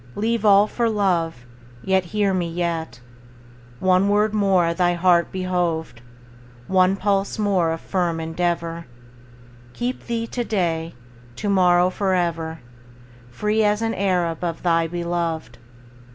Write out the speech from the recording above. Leave all for love; Yet, hear me, yet, One word more thy heart behoved, One pulse more of firm endeavor, Keep thee to day, To morrow, forever, Free as an Arab Of thy beloved.